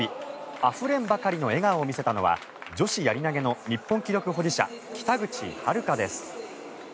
あふれんばかりの笑顔を見せたのは女子やり投げの日本記録保持者北口榛花です。